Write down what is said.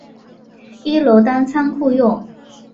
一楼当仓库用